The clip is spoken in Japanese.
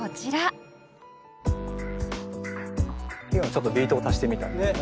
ちょっとビートを足してみたっていう。